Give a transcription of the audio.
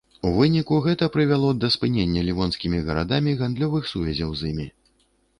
У выніку гэта прывяло да спынення лівонскімі гарадамі гандлёвых сувязяў з імі.